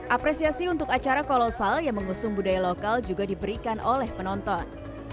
apresiasi untuk acara kolosal yang mengusung budaya lokal juga diberikan oleh penonton